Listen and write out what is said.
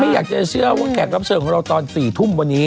อยากจะเชื่อว่าแขกรับเชิญของเราตอน๔ทุ่มวันนี้